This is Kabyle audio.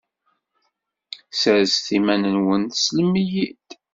Sserset iman-nwen teslem-iyi-d.